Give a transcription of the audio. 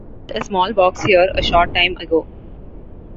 I deposited a small box here a short time ago.